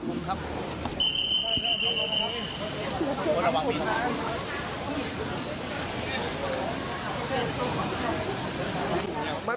ตัวจริงครับ